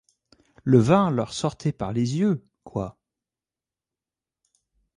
Le vin leur sortait par les yeux, quoi !